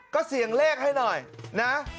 ก็เสี่ยงเลขให้หน่อยนะ